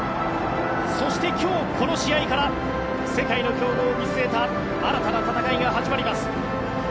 そして今日、この試合から世界の強豪を見据えた新たな戦いが始まります。